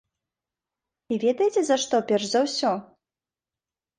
І ведаеце за што перш за ўсё?